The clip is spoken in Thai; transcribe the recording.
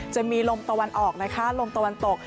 จะมีลมตะวันออกนะคะลมตะวันตก